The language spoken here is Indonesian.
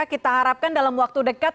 kita harapkan dalam waktu dekat